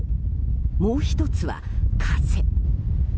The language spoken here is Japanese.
もう１つは、風。